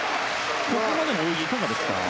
ここまでの泳ぎはいかがですか？